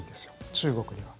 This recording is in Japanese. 中国には。